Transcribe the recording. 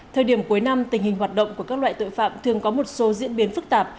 thời điểm cuối năm tình hình hoạt động của các loại tội phạm thường có một số diễn biến phức tạp